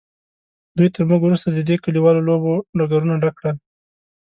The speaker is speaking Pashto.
دوی تر موږ وروسته د دې کلیوالو لوبو ډګرونه ډک کړل.